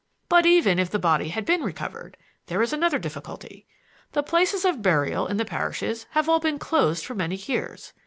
"But even if the body had been recovered, there is another difficulty. The places of burial in the parishes have all been closed for many years.